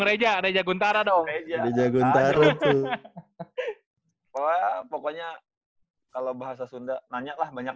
gereja gereja guntara dong reja guntara tuh pokoknya kalau bahasa sunda nanya lah banyak